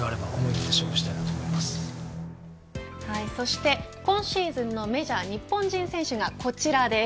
そして今シーズンのメジャー日本人選手がこちらです。